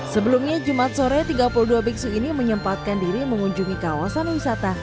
sebelumnya jumat sore tiga puluh dua biksu ini menyempatkan diri mengunjungi kawasan wisata